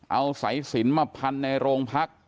เอาสายสินมาพันในโรงพัก